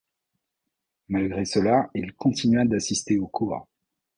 Malgré cela il continua d'assister aux cours.